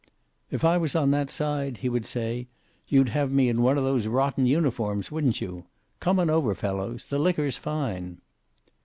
"If I was on that side," he would say, "you'd have me in one of those rotten uniforms, wouldn't you? Come on over, fellows. The liquor's fine."